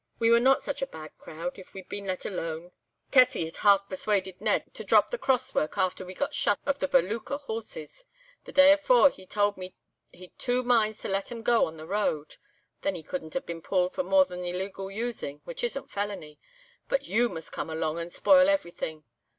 We were not such a bad crowd if we'd been let alone. Tessie had half persuaded Ned to drop the cross work after we got shut of the Balooka horses. The day afore he told me he'd two minds to let 'em go on the road. Then he couldn't have been pulled for more than illegal using, which isn't felony. But you must come along and spoil everything.